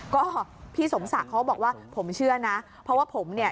ก็พี่สมศักดิ์เขาบอกว่าผมเชื่อนะเพราะว่าผมเนี่ย